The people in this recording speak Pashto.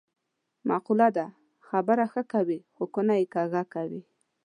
معقوله ده: خبره ښه کوې خو کونه یې کږه کوې.